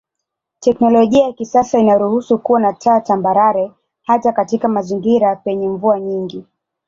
Teknolojia ya kisasa inaruhusu kuwa na taa tambarare hata katika mazingira penye mvua nyingi.